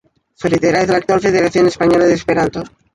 Su heredera es la actual Federación Española de Esperanto.